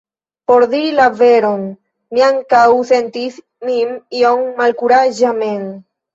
Por diri la veron, mi ankaŭ sentis min iom malkuraĝa mem.